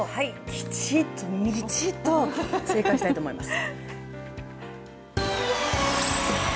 きちっと、みちっと正解したいと思います。